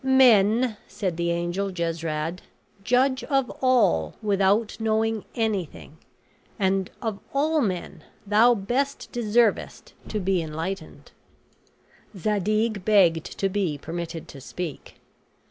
"Men," said the angel Jesrad, "judge of all without knowing anything; and, of all men, thou best deservest to be enlightened." Zadig begged to be permitted to speak.